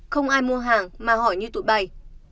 không ai mua hàng mà hỏi như tụi bài